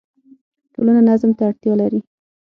ټولنه نظم ته اړتیا لري.